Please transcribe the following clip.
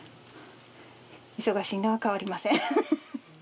忙しいのは変わりません。